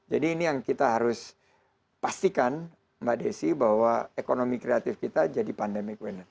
jadi ini yang kita harus pastikan mbak desi bahwa ekonomi kreatif kita jadi pandemic winner